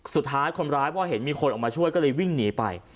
สุดท้ายคนร้ายพอเห็นมีคนออกมาช่วยก็เลยวิ่งหนีไป